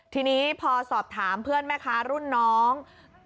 ทีนี้พอสอบถามเพื่อนแม่ค้ารุ่นน้อง